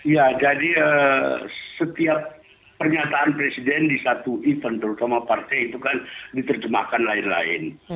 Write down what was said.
ya jadi setiap pernyataan presiden di satu event terutama partai itu kan diterjemahkan lain lain